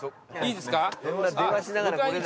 いいですか？